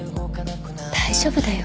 大丈夫だよ。